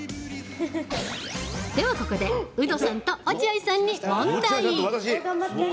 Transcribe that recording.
では、ここでウドさんと落合さんに問題。